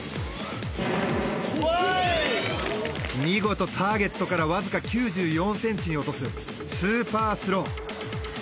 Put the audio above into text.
見事ターゲットからわずか９４ｃｍに落とすスーパースロー。